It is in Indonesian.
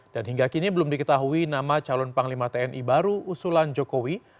dan hingga kini belum diketahui nama calon panglima tni baru usulan jokowi